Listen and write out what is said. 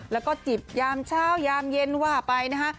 แล้วก็จิบยามเช้ายามเย็นว่าไปนะฮะ